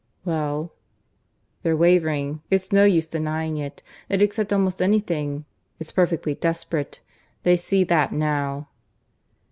"Well?" "They're wavering. It's no use denying it. They'd accept almost anything. It's perfectly desperate. They see that now."